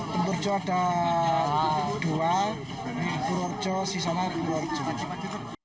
temburjo ada dua pururjo sisana dan pururjo